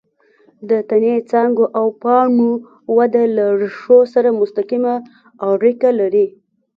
د تنې، څانګو او پاڼو وده له ریښو سره مستقیمه اړیکه لري.